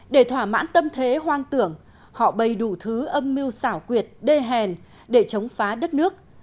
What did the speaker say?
để thỏa mãn tâm thế hoang tưởng họ bày đủ thứ âm mưu xảo quyệt đê hèn để chống phá đất nước